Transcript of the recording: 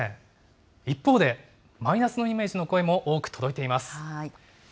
一方で、マイナスのイメージの声も多く届いています。